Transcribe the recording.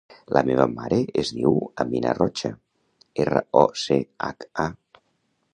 La meva mare es diu Amina Rocha: erra, o, ce, hac, a.